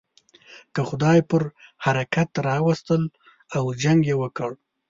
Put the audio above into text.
که خدای پر حرکت را وستل او جنګ یې وکړ.